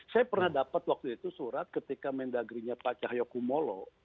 saya pernah dapat waktu itu surat ketika mendagrinya pak cahyokumolo